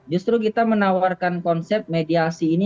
justru kita menawarkan konsep mediasi ini